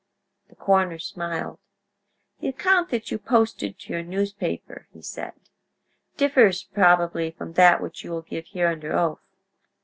The coroner smiled. "The account that you posted to your newspaper," he said, "differs probably from that which you will give here under oath."